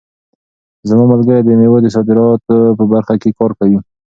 زما ملګری د مېوو د صادراتو په برخه کې کار کوي.